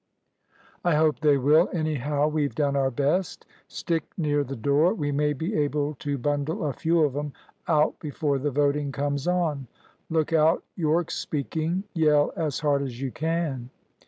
"I hope they will. Anyhow we've done our best. Stick near the door. We may be able to bundle a few of 'em out before the voting comes on. Look out, Yorke's speaking. Yell as hard as you can."